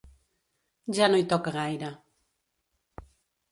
Ja no hi toca gaire.